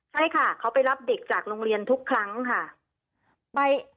ใช่ค่ะเขาไปรับเด็กจากโรงเรียนทุกครั้งค่ะ